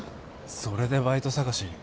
それでバイト探し？